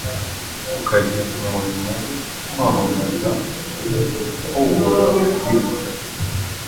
ukajya kumurimo wo kwamamaza, uhobora kubikora